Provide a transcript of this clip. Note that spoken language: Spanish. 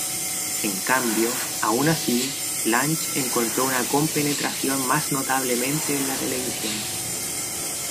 En cambio, aun así, Lange encontró una compenetración más notablemente en la televisión.